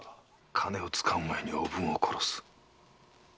金を掴む前におぶんを殺す。